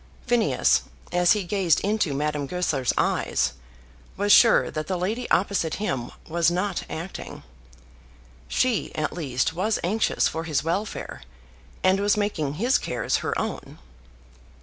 Phineas, as he gazed into Madame Goesler's eyes, was sure that the lady opposite him was not acting. She at least was anxious for his welfare, and was making his cares her own.